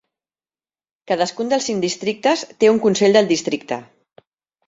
Cadascun dels cinc districtes té un consell del districte.